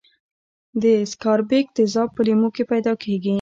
د سکاربیک تیزاب په لیمو کې پیداکیږي.